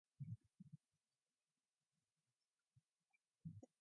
The Paschal cycle, however, continued to be calculated according to the Julian Calendar.